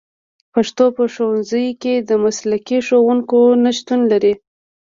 پښتو په ښوونځیو کې د مسلکي ښوونکو نشتون لري